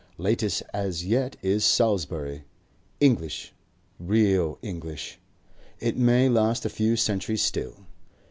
Latest as yet is Salisbury, English, real English. It may last a few centuries still.